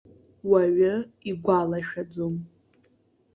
Уаҩы игәалашәаӡом.